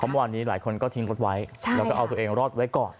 เมื่อวานนี้หลายคนก็ทิ้งรถไว้แล้วก็เอาตัวเองรอดไว้ก่อน